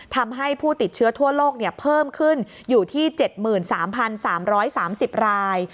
ทำให้ผู้ติดเชื้อทั่วโลกเพิ่มขึ้นอยู่ที่๗๓๓๓๐ราย